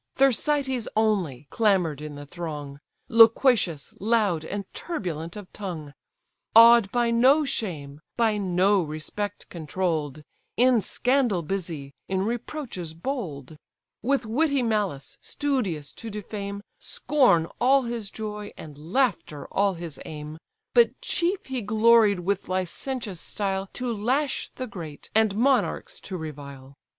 Thersites only clamour'd in the throng, Loquacious, loud, and turbulent of tongue: Awed by no shame, by no respect controll'd, In scandal busy, in reproaches bold: With witty malice studious to defame, Scorn all his joy, and laughter all his aim:— But chief he gloried with licentious style To lash the great, and monarchs to revile.